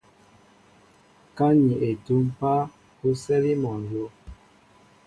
Ka ni etúm páá, o sɛli mol nló.